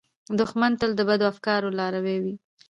دښمن تل د بدو افکارو لاروي وي